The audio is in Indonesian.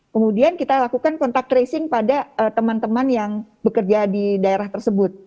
kemudian kita lakukan kontak tracing pada teman teman yang bekerja di daerah tersebut